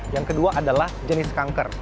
yang kedua adalah jenis kanker